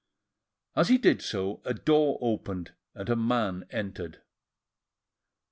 As he did so, a door opened, and a man entered.